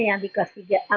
yang di kelas empat lima enam